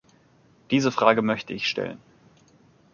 Diese Frage möchte ich stellen.